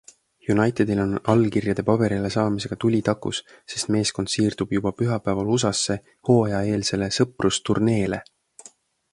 Unitedil on allkirjade paberile saamisega tuli takus, sest meeskond siirdub juba pühapäeval USAsse hooajaeelsele sõprusturneele.